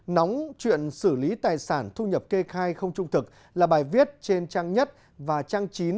nóng chuyện xử lý tài sản thu nhập kê khai không trung thực là bài viết trên trang nhất và trang chín